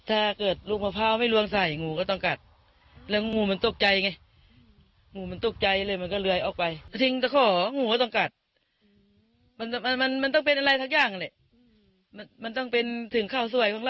อาการก็จากหนักกลายเป็นเบา